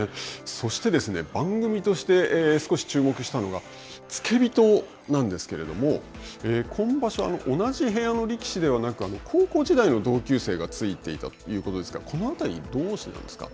そして、番組として少し注目したのが、付け人なんですけれども、今場所、同じ部屋の力士ではなく、高校時代の同級生がついていたということですが、このあたり、どうしてなんですか。